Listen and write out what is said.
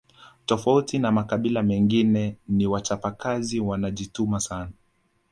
Tofauti na makabila mengine ni wachapakazi wanajituma sana